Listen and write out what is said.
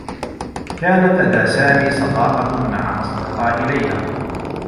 كانت لدى سامي صداقة مع أصدقاء ليلى.